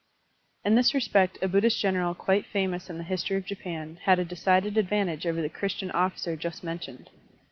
In this respect a Buddhist general quite famous in the history of Japan had a decided advantage over the Christian officer just mentioned.